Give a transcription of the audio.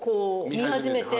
見始めて。